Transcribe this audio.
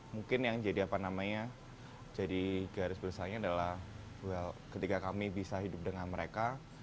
mungkin yang jadi garis beresannya adalah ketika kami bisa hidup dengan mereka